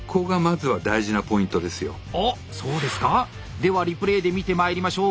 ではリプレーで見てまいりましょう。